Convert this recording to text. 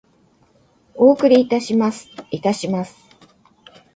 お送りいたします。いたします。